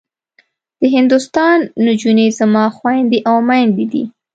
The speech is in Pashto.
د هندوستان نجونې زما خوندي او مندي دي.